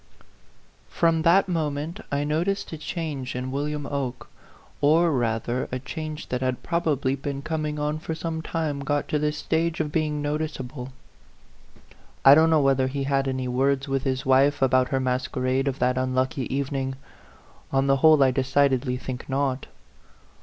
FROM that moment I noticed a change in William Oke ; or, rather, a change that had probably been coming on for some time got to the stage of being noticeable. I don't know whether he had any words with his wife about her masquerade of that unlucky evening. On the whole, I decided ly think not.